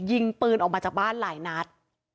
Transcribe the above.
ยิงปืนออกมาจากบ้านหลายนัด